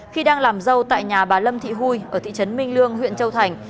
khi đang làm dâu tại nhà bà lâm thị hui ở thị trấn minh lương huyện châu thành